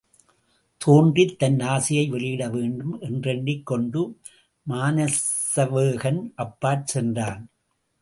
தோன்றித் தன் ஆசையை வெளியிட வேண்டும் என்றெண்ணிக் கொண்டு மானசவேகன் அப்பாற் சென்றான்.